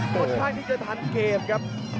ค่อนข้างที่จะทันเกมครับ